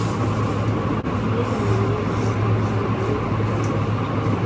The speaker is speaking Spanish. Mies se denomina al cereal cuando está maduro y listo para ser cosechado.